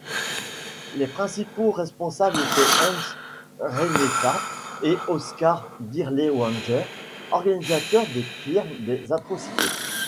Les principaux responsables étaient Heinz Reinefarth et Oskar Dirlewanger, organisateurs des pires des atrocités.